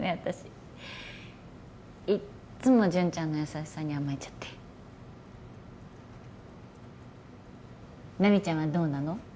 私いっつも潤ちゃんの優しさに甘えちゃって奈未ちゃんはどうなの？